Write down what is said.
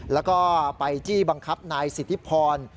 แล้วก็ไปจี้บังคับนายสิทธิพร